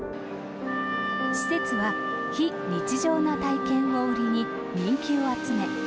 施設は非日常な体験を売りに人気を集め